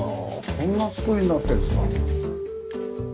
こんなつくりになってるんですか。